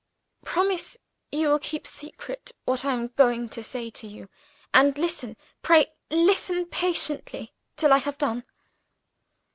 "Promise you will keep secret what I am going to say to you and listen, pray listen patiently, till I have done."